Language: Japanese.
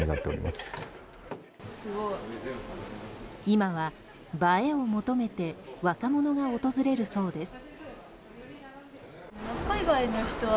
今は映えを求めて若者が訪れるそうです。